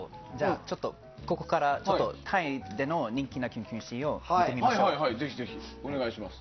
ここからタイでの人気なキュンキュンシーンを見てみましょう。